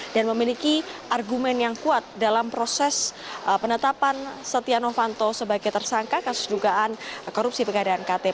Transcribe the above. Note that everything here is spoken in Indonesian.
memiliki argumen yang kuat dalam proses penetapan setia novanto sebagai tersangka kasus dugaan korupsi pengadaan ktp